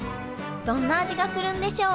どんな味がするんでしょう？